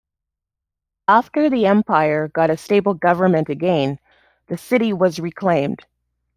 After the empire got a stable government again, the city was reclaimed.